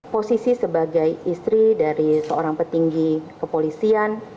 posisi sebagai istri dari seorang petinggi kepolisian